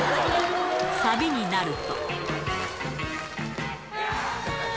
サビになると。